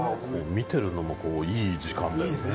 見てるのも、いい時間だよね。